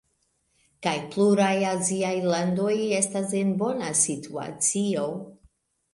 kaj pluraj aziaj landoj estas en bona situacio.